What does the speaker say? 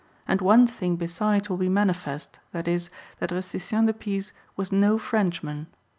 And one thing besides will be manifest, viz., that Rusticien de Pise was no Frenchman